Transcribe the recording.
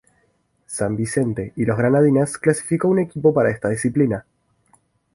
San Vicente y las Granadinas clasificó a un equipo para esta disciplina.